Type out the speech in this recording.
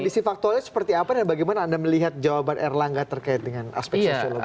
kondisi faktualnya seperti apa dan bagaimana anda melihat jawaban erlangga terkait dengan aspek sosiologis